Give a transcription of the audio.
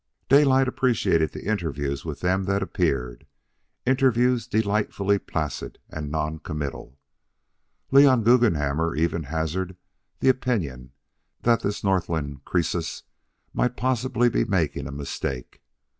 Daylight appreciated the interviews with them that appeared interviews delightfully placid and non committal. Leon Guggenhammer even hazarded the opinion that this Northland Croesus might possibly be making a mistake.